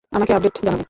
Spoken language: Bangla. আমাকে আপডেট জানাবে।